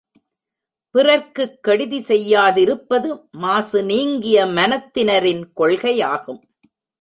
பிறர்க்குக் கெடுதி செய்யாதிருப்பது மாசு நீங்கிய மனத் தினரின் கொள்கையாகும்.